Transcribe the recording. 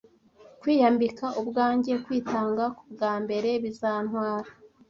Kwiyambika ubwanjye kwitanga kubwa mbere bizantwara,